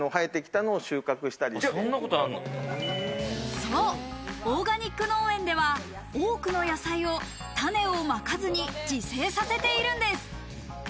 そう、オーガニック農園では多くの野菜を種をまかずに自生させているんです。